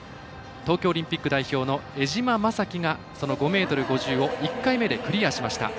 東京オリンピック代表の江島雅紀がその５ｍ５０を１回目でクリアしました。